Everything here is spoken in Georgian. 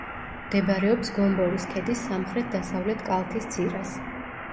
მდებარეობს გომბორის ქედის სამხრეთ-დასავლეთ კალთის ძირას.